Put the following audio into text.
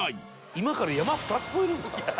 「今から山２つ越えるんですか？」